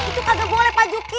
itu kagak boleh pak juki